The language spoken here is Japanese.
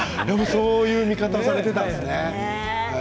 そういう見方をされていたんですね。